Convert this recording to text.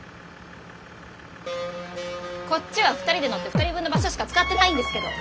こっちは２人で乗って２人分の場所しか使ってないんですけど！